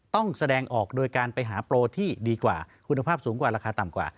ต้องแสดงออกโดยการไปหาโปรที่ดีกว่าคุณภาพสูงกว่าราคาต่ำกว่า